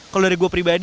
kalau dari gue pribadi